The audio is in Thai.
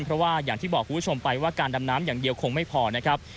เพราะว่าอย่างที่บอกคุณผู้ชมไปว่าการดำน้ำอย่างเดียวคงไม่พอนะครับ